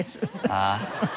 ああ。